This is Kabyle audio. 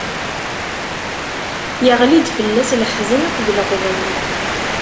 Iɣli-d fell-as leḥzen akked leɣben.